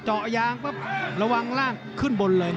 เจาะยางปุ๊บระวังร่างขึ้นบนเลย